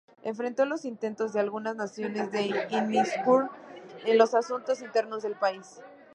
Enfrentó los intentos de algunas naciones de inmiscuirse en los asuntos internos del país.